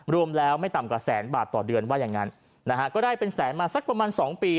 รวมแล้วไม่ต่ำกว่าแสนบาทต่อเดือนว่าอย่างงั้นนะฮะก็ได้เป็นแสนมาสักประมาณสองปี